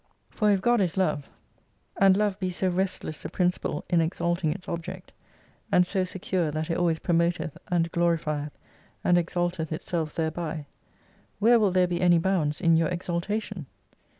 For if God is Love, and Love be so rest 99 less a principle in exalting its object : and so secure that it always promoteth and glorifieth and exalteth itself thereby, where will there be any bounds in your exaltation